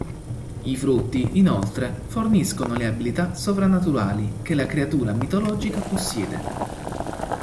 I frutti, inoltre, forniscono le abilità sovrannaturali che la creatura mitologica possiede.